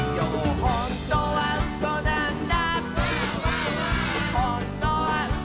「ほんとにうそなんだ」